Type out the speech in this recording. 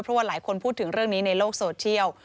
เพราะว่าหลายคนพูดถึงเรื่องนี้ในโลกโซเชียล